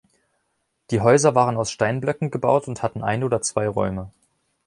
Die Häuser waren aus Steinblöcken gebaut und hatten ein oder zwei Räume.